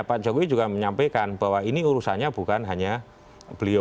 pak jokowi juga menyampaikan bahwa ini urusannya bukan hanya beliau